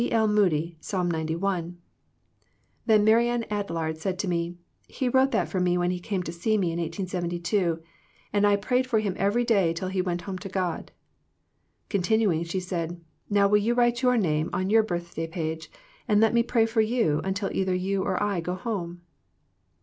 L, Moody, Psalm 91P Then Marianne Adlard said to me, " He wrote that for me when he came to see me in 1872, and I prayed for him every day till he went home to God." Continuing, she said, " Now, will you write your name on your birthday page, and let me pray for you until either you or I go home."